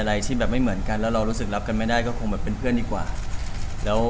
รู้สึกรับไม่ได้ก็เป็นเพื่อนดีกว่า